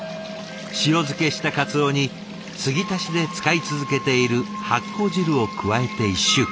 塩漬けした鰹に継ぎ足しで使い続けている発酵汁を加えて１週間。